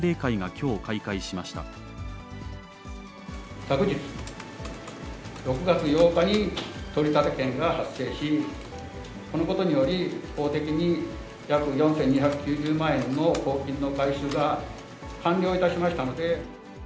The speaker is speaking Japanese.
昨日６月８日に取り立て権が発生し、このことにより、法的に約４２９０万円の公金の回収が完了いたしましたので。